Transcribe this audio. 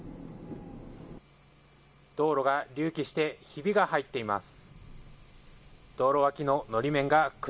道路が隆起して、ひびが入っています。